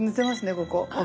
ここ。